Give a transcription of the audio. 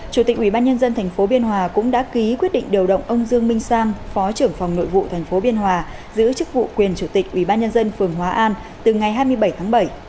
chủ tịch ubnd tp biên hòa cũng đã ký quyết định điều động ông dương minh sang phó trưởng phòng nội vụ tp biên hòa giữ chức vụ quyền chủ tịch ubnd phường hóa an từ ngày hai mươi bảy tháng bảy